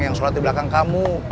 yang sholat di belakang kamu